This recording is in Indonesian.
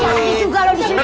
jadi juga lo disini